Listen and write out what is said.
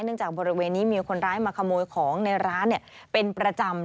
จากบริเวณนี้มีคนร้ายมาขโมยของในร้านเป็นประจำ